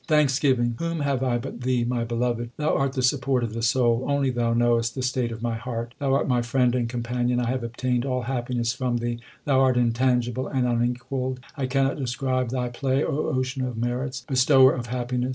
Thanksgiving : Whom have I but Thee, My Beloved ? Thou art the support of the soul. Only Thou knowest the state of my heart ; Thou art my friend and companion. 1 have obtained all happiness from Thee ; Thou art in tangible and unequalled. I cannot describe Thy play, O ocean of merits, Bestower of happiness.